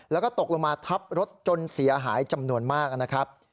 แล้วก็ตกลงมาทับรถจนเสียหายจำนวนมากนะครับ